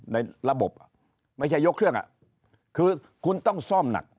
ในระบบอ่ะไม่ใช่ยกเครื่องคือคุณต้องซ่อมหนัก